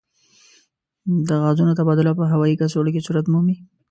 د غازونو تبادله په هوايي کڅوړو کې صورت مومي.